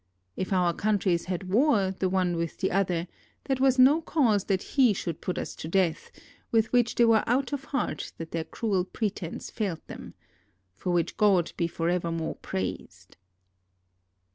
If our countries had war the one with the 327 JAPAN other, that was no cause that he should put us to death; with which they were out of heart that their cruel pretense failed them. For which God be forevermore praised.